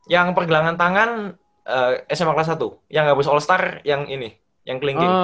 yang pergilangan tangan sma kelas satu yang abis all star yang ini yang kelingging